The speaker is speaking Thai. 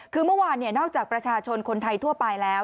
คือเมื่อวานนอกจากประชาชนคนไทยทั่วไปแล้ว